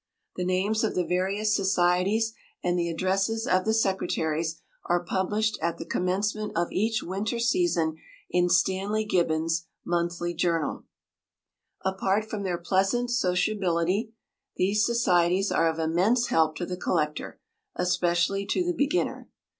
The names of the various societies and the addresses of the secretaries are published at the commencement of each winter season in Stanley Gibbons' Monthly Journal. Apart from their pleasant sociability, these societies are of immense help to the collector, especially to the beginner.